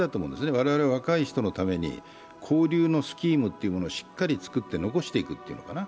我々若い人のために交流のスキームというものをしっかり作って残していくというのかな。